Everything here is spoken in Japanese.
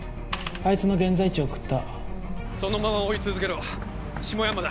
あいつの現在地送ったそのまま追い続けろ下山田